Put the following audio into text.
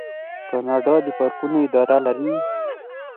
کاناډا د پارکونو اداره لري.